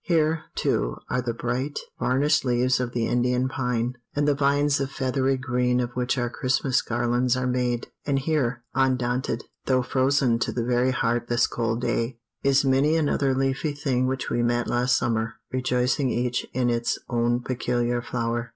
Here, too, are the bright, varnished leaves of the Indian pine, and the vines of feathery green of which our Christmas garlands are made; and here, undaunted, though frozen to the very heart this cold day, is many another leafy thing which we met last summer rejoicing each in its own peculiar flower.